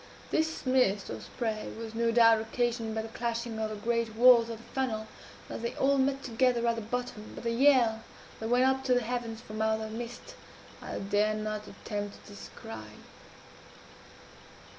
This mist, or spray, was no doubt occasioned by the clashing of the great walls of the funnel, as they all met together at the bottom but the yell that went up to the heavens from out of that mist, I dare not attempt to describe.